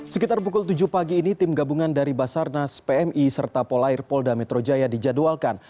sekitar pukul tujuh pagi ini tim gabungan dari basarnas pmi serta polair polda metro jaya dijadwalkan